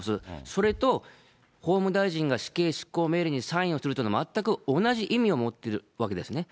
それと法務大臣が死刑執行命令にサインをするというのは、全く同じ意味を持っているわけですね。